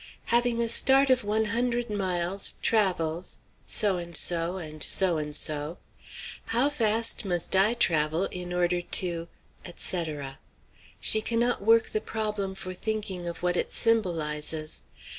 "having a start of one hundred miles, travels" so and so, and so and so, "how fast must I travel in order to" etc. She cannot work the problem for thinking of what it symbolizes.